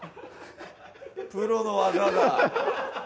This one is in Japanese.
プロの技だ！